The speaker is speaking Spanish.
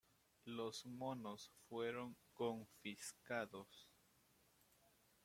Los monos fueron confiscados.